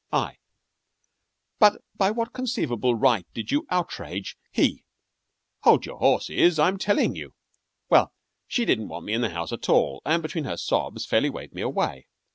I But by what conceivable right did you outrage HE Hold your horses. I'm telling you. Well, she didn't want me in the house at all, and between her sobs fairly waved me away.